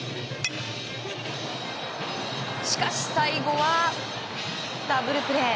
しかし、最後はダブルプレー。